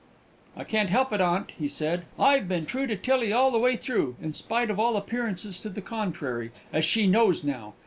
"I can't help it, aunt," he said. "I've been true to Tillie all the way through, in spite of all appearances to the contrary as she knows now.